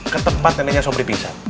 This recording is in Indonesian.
ketempat neneknya sobri pingsan